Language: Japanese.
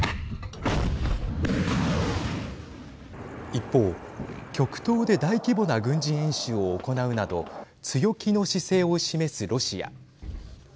一方、極東で大規模な軍事演習を行うなど強気の姿勢を示すロシア。